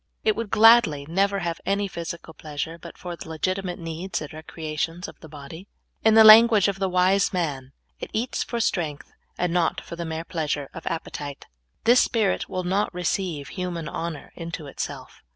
It w^ould gladly never have any physical pleasure but for the legitimate needs and recreations of the body. In the language of the w4se man, '' It eats for strength, and not for the mere pleasure of appetite." This spirit will not receive human honor into it self.